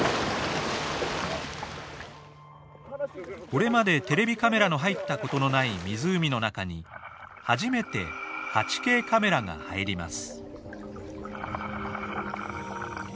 これまでテレビカメラの入った事のない湖の中に初めて８Ｋカメラが入ります。